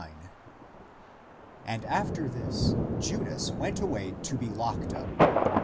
And after this Judas went away to be locked up.